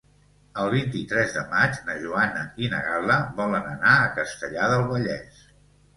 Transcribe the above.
El vint-i-tres de maig na Joana i na Gal·la volen anar a Castellar del Vallès.